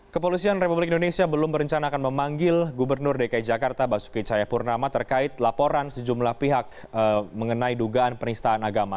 kepolisian republik indonesia belum berencana akan memanggil gubernur dki jakarta basuki cahayapurnama terkait laporan sejumlah pihak mengenai dugaan penistaan agama